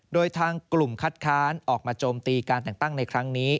โดยทางกลุ่มคัดค้านออกมาโจมตีการแต่งตั้งในครั้งนี้